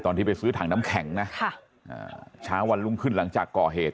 ตอนที่ไปซื้อถังน้ำแข็งนะค่ะอ่าเช้าวันรุ่งขึ้นหลังจากก่อเหตุ